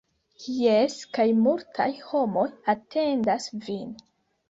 Jes kaj multaj homoj atendas vin